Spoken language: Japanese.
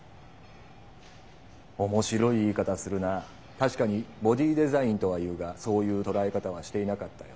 確かに「ボディーデザイン」とは言うがそういう捉え方はしていなかったよ。